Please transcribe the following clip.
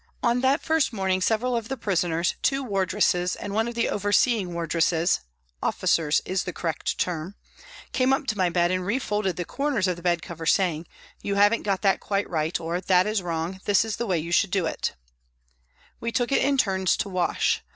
On that first morning several of the prisoners, two wardresses, and one of the overseeing wardresses (" officers " is the correct term) came up to my bed and refolded the corners of the bed cover, saying, " You haven't got that quite right," or " That's wrong ; this is the way you should do it." 94 PRISONS AND PRISONERS We took it in turns to wash.